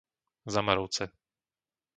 Zamarovce